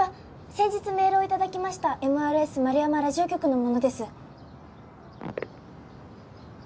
先日メールを頂きましたＭＲＳ円山ラジオ局の者です。